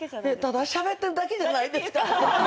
「ただしゃべってるだけじゃないですか」